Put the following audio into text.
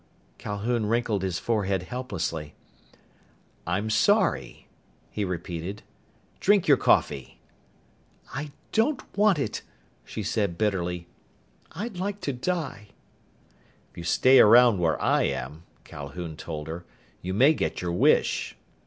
Calhoun wrinkled his forehead helplessly. "I'm sorry," he repeated. "Drink your coffee!" "I don't want it," she said bitterly. "I'd like to die!" "If you stay around where I am," Calhoun told her, "you may get your wish.